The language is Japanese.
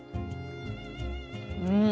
うん！